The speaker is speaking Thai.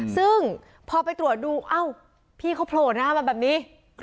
ซึ่งพอไปตรวจดูเอ้าพี่เขาโผล่หน้ามาแบบนี้